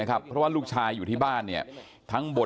นี่ห้ะหลวงพ่อธ่านก็บาดเจ็บนะครับ